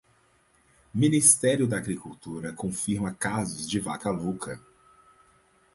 Ministério da Agricultura confirma casos de vaca louca